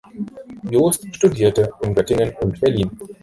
Jost studierte in Göttingen und Berlin.